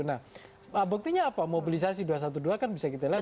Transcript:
nah buktinya apa mobilisasi dua ratus dua belas kan bisa kita lihat